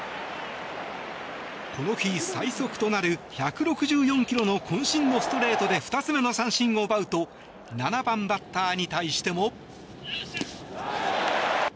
この日最速となる１６４ｋｍのこん身のストレートで２つ目の三振を奪うと７番バッターに対しても。